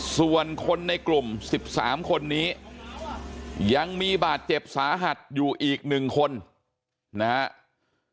ส่วนคนในกลุ่ม๑๓คนนี้ยังมีบาดเจ็บสาหัสอยู่อีก๑คนนะครับ